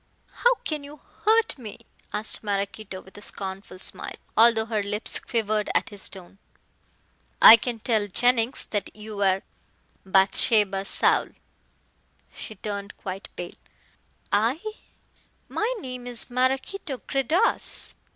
"How can you hurt me?" asked Maraquito with a scornful smile, although her lips quivered at his tone. "I can tell Jennings that you are Bathsheba Saul!" She turned quite pale. "I? My name is Maraquito Gredos."